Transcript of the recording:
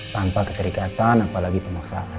tanpa ketikatan apalagi pemaksaan